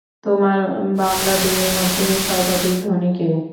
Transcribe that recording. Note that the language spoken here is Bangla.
তোমার বান্দাদের মধ্যে সর্বাধিক ধনী কে?